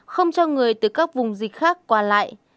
không cho người từ các vùng dịch khác qua lại